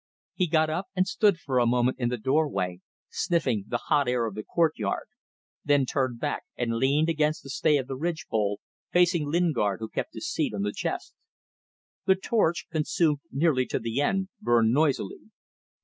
He got up and stood for a moment in the doorway, sniffing the hot air of the courtyard, then turned back and leaned against the stay of the ridge pole, facing Lingard who kept his seat on the chest. The torch, consumed nearly to the end, burned noisily.